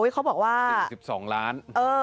เขาบอกว่า๔๒ล้าน